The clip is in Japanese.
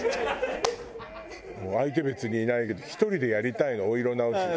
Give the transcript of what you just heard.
相手別にいないけど１人でやりたいのお色直しして。